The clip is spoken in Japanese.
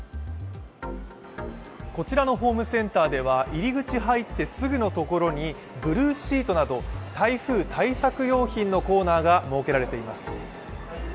こちらのホームセンターでは入り口入ってすぐのところにブルーシートなど、台風対策用品のコーナーが設けられています。